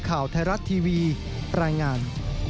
ข่าวไทยรัฐทีวีรายงาน